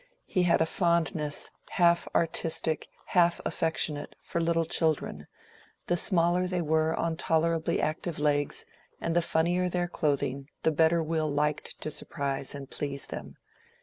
He had a fondness, half artistic, half affectionate, for little children—the smaller they were on tolerably active legs, and the funnier their clothing, the better Will liked to surprise and please them.